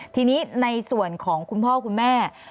ทีนี้ในส่วนของคุณพ่อคุณแม่